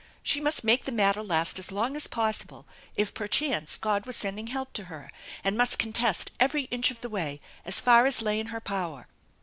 She must make the matter last as long as possible, if perchance God was sending help to her, and must contest every inch of the way as far as lay in her power.